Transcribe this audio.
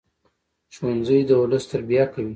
ښوونځی د ولس تربیه کوي